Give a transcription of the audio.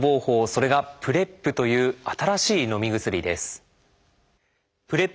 それが「ＰｒＥＰ」という新しいのみ薬です。